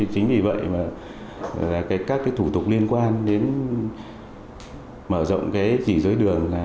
chính vì vậy mà các thủ tục liên quan đến mở rộng chỉ dưới đường